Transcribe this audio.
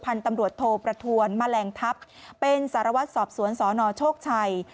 พันธุ์ตำรวจโทประทวนมาแรงทัพเป็นสารวัติสอบสวนสนโชคชัย